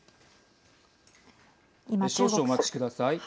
少々、お待ちください。